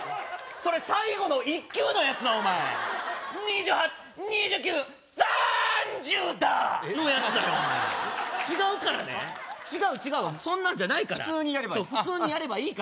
それ最後の１球のやつだお前２８２９サーンジュウだ！のやつだからな違うからね違う違うそんなんじゃないから普通にやればいい？